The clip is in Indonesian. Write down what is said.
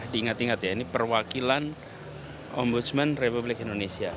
diingat ingat ya ini perwakilan ombudsman republik indonesia